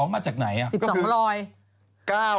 ๙๕๒มาจากไหนอ่ะ